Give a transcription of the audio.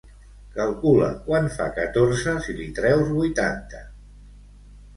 Calcula quant fa catorze si li treus vuitanta.